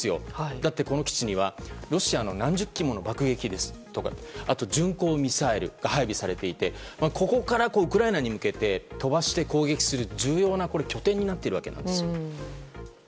だって、この基地にはロシアの何十機もの爆撃機とか巡航ミサイルが配備されていてここからウクライナに向けて飛ばして攻撃する重要な拠点になっているわけです。